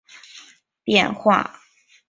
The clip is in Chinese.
圣旺拉泰讷人口变化图示